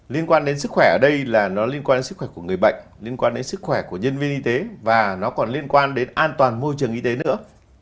liên quan đến sức khỏe ở đây là nó liên quan đến sức khỏe của người bệnh liên quan đến sức khỏe của nhân viên y tế và nó còn liên quan đến an toàn môi trường y tế nữa